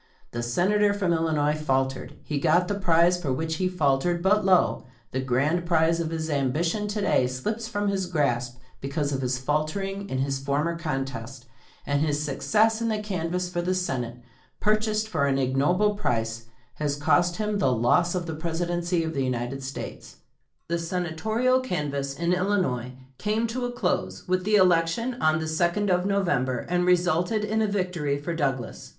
The Senator from Illinois faltered. He got the prize for which he faltered; but lo! the grand prize of his ambition to day slips from his grasp because of his faltering in his former contest, and his success in the canvass for the Senate, purchased for an ignoble price, has cost him the loss of the Presidency of the United States. 1858. The Senatorial canvass in Illinois came to a close with the election on the 2d of November and resulted in a victory for Douglas.